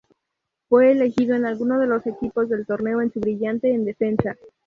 Fue elegido en alguno de los equipos del torneo, con su brillante en defensa.